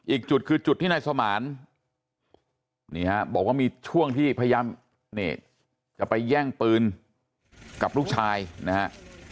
อีกจุดคือจุดที่นายสมานนี่ฮะบอกว่ามีช่วงที่พยายามนี่จะไปแย่งปืนกับลูกชายนะฮะ